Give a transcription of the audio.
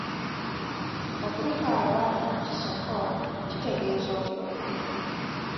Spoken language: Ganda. Okubika abalamu kisoko ekitegeeza obulogo.